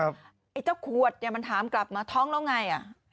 ไอ้เจ้าขวดเนี่ยมันถามกลับมาท้องแล้วไง